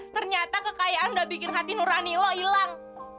ternyata kekayaan udah bikin hati nurani lo hilang